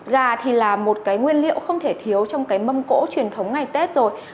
gà thì là một cái nguyên liệu không thể thiếu trong cái mâm cỗ truyền thống ngày tết rồi